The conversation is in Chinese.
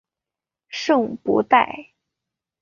圣博代。